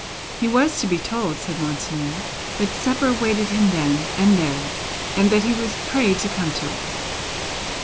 He was to be told (said Monseigneur) that supper awaited him then and there, and that he was prayed to come to it.